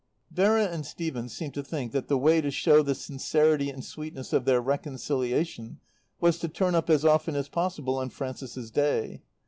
Vera and Stephen seemed to think that the way to show the sincerity and sweetness of their reconciliation was to turn up as often as possible on Frances's Day.